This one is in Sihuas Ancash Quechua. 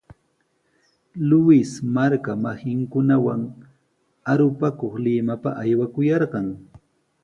Luis marka masinkunawan arupakuq Limapa aywakuyarqan.